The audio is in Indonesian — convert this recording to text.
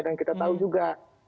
dan kita tahu juga